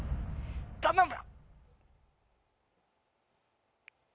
頼む！